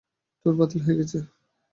Tour বাতিল হয়ে গেছে।